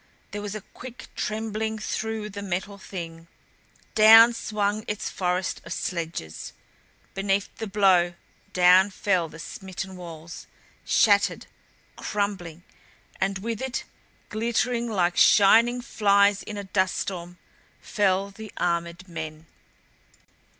There was a quick trembling through the Metal Thing. Down swung its forest of sledges. Beneath the blow down fell the smitten walls, shattered, crumbling, and with it glittering like shining flies in a dust storm fell the armored men.